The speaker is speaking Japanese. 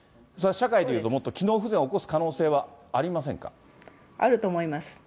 それは社会でいうともっと機能不全を起こす可能性はありませんかあると思います。